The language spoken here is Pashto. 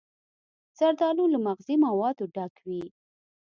زردالو له مغذي موادو ډک وي.